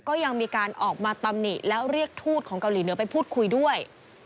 ก็ยังมีการออกมาตำหนิแล้วเรียกทูตของเกาหลีเหนือไปพูดคุยด้วย